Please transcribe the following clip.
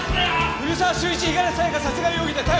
古沢周一五十嵐さやか殺害容疑で逮捕する！